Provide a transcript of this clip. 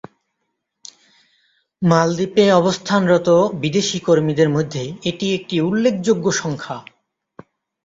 মালদ্বীপে অবস্থানরত বিদেশী কর্মীদের মধ্যে এটি একটি উল্লেখযোগ্য সংখ্যা।